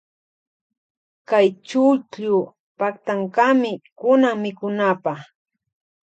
Kay chukllu paktankami kunan mikunapa.